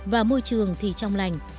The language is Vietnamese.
và môi trường thì trong lành